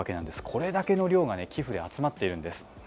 これだけの量が寄付で集まっているんです。